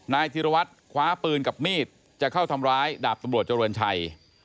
ธิรวัตรคว้าปืนกับมีดจะเข้าทำร้ายดาบตำรวจเจริญชัย